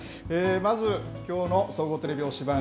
まずきょうの総合テレビ推しバン！